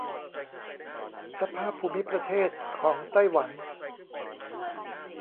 สภาพภูมิประเทศของไต้หวัน